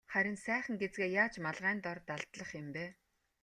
Харин сайхан гэзгээ яаж малгайн дор далдлах юм бэ?